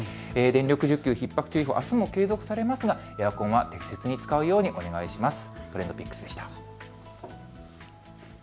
電力需給ひっ迫注意報、あすも継続されますがエアコンは適切に使うようにお願いします。